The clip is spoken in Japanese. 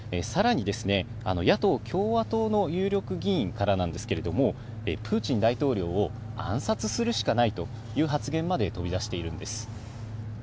さらに、野党・共和党の有力議員からなんですけれども、プーチン大統領を暗殺するしかないという発言も飛び出しているんです。